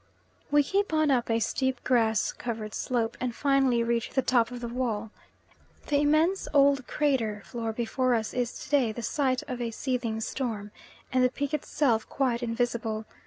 We keep on up a steep grass covered slope, and finally reach the top of the wall. The immense old crater floor before us is to day the site of a seething storm, and the peak itself quite invisible.